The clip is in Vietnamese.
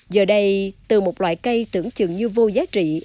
giờ đây từ một loại cây tưởng chừng như vô giá trị